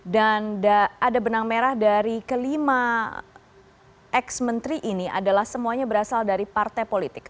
dan ada benang merah dari ke lima ex menteri ini adalah semuanya berasal dari partai politik